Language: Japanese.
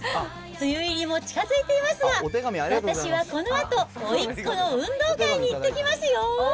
梅雨入りも近づいていますが、私はこのあと、おいっ子の運動会に行ってきますよ。